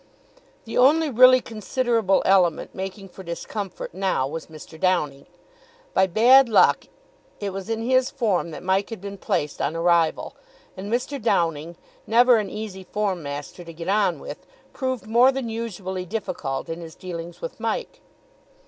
The only really considerable element making for discomfort now was Mr. Downing. By bad luck it was in his form that Mike had been placed on arrival; and Mr. Downing, never an easy form master to get on with, proved more than usually difficult in his dealings with Mike.